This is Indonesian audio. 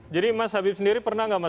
jadi mas habib sendiri pernah tidak mas